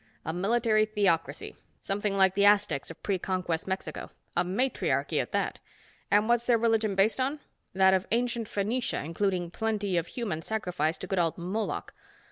A military theocracy, something like the Aztecs of Pre Conquest Mexico. A matriarchy, at that. And what's their religion based on? That of ancient Phoenicia including plenty of human sacrifice to good old Moloch.